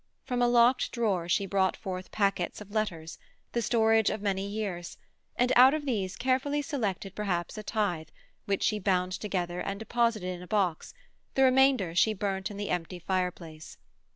From a locked drawer she brought forth packets of letters, the storage of many years, and out of these selected carefully perhaps a tithe, which she bound together and deposited in a box; the remainder she burnt in the empty fireplace.